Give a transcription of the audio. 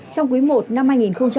trong quý i năm hai nghìn hai mươi hai